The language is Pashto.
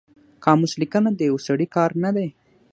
قاموس لیکنه د یو سړي کار نه دی